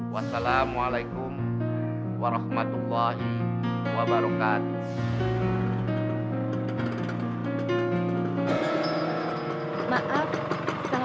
wassalamualaikum warahmatullahi wabarakatuh